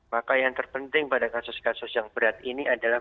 maka yang terpenting pada kasus kasus yang berat ini adalah